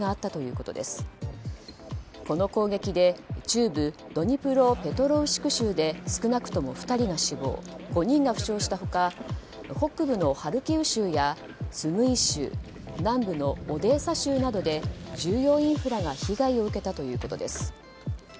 この攻撃で中部ドニプロペトロウシク州で少なくとも２人が死亡５人が負傷した他北部のハルキウ州やスムイ州南部のオデーサ州などで重要インフラが被害を受けたということです。